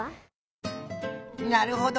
なるほど。